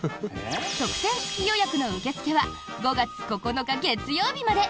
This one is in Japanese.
特典付き予約の受け付けは５月９日、月曜日まで。